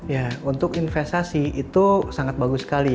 ya untuk investasi itu sangat bagus sekali